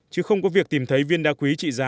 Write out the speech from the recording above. chứ không có việc tìm thấy viên đá quý trị giá năm tỷ